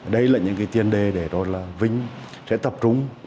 đây là những cái tiên đề để vinh sẽ tập trung